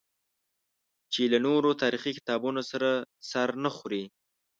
چې له نورو تاریخي کتابونو سره سر نه خوري.